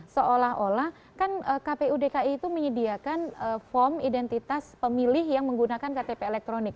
seolah olah kan kpu dki itu menyediakan form identitas pemilih yang menggunakan ktp elektronik